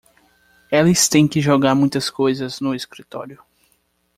Eles têm que jogar muitas coisas no escritório